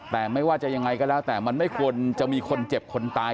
แต่ไม่ว่าจะยังไงก็แล้วแต่มันไม่ควรจะมีคนเจ็บคนตาย